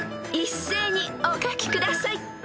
［一斉にお書きください］